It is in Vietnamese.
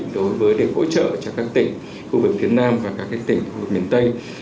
đối với để hỗ trợ cho các tỉnh khu vực tiến nam và các tỉnh miền tây